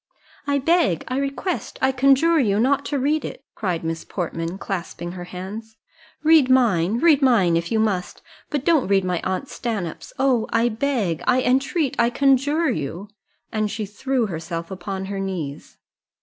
"I beg, I request, I conjure you not to read it!" cried Miss Portman, clasping her hands. "Read mine, read mine, if you must, but don't read my aunt Stanhope's Oh! I beg, I entreat, I conjure you!" and she threw herself upon her knees.